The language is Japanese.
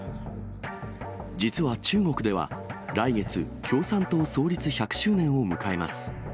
実は中国では、来月、共産党創立１００周年を迎えます。